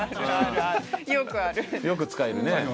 よく使えるね。